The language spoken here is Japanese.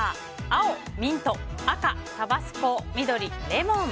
青、ミント赤、タバスコ緑、レモン。